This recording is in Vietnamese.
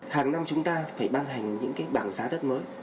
hàng năm chúng ta phải ban hành những cái bảng giá đất mới